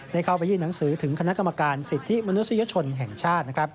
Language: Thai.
ได้เข้าไปยื่นหนังสือถึงคณะกรรมการสิทธิมนุษยชนแห่งชาติ